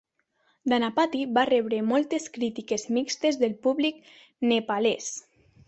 Dhanapati va rebre moltes crítiques mixtes pel públic nepalès.